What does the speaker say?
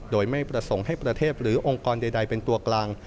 โดยไม่ประสงค์ให้ประเทศหรือองค์กรใดเป็นตัวกลาง